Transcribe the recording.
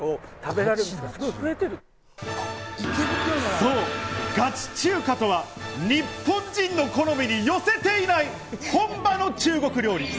そう、ガチ中華とは日本人の好みに寄せていない本場の中国料理。